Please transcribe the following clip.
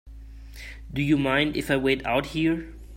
Do you mind if I wait out here?